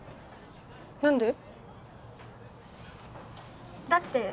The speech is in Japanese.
何で？